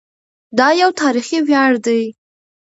دا یو تاریخي ویاړ دی.